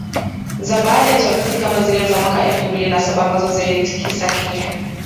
za baada ya uchaguzi kama zile za mwaka elfu mbili na saba ambazo ziliitikisa Kenya